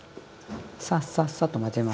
さっさっさっと混ぜます。